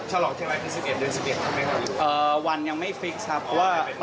ชะลองเที่ยวไหร่ที่๑๑เดือน๑๑ครับ